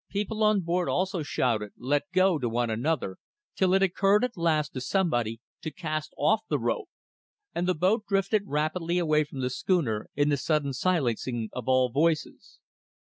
People on board also shouted "Let go!" to one another, till it occurred at last to somebody to cast off the rope; and the boat drifted rapidly away from the schooner in the sudden silencing of all voices.